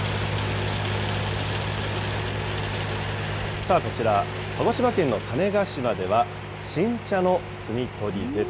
さあ、こちら、鹿児島県の種子島では新茶の摘み取りです。